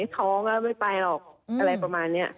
ท้องแล้วไม่ไปหรอกอะไรประมาณนี้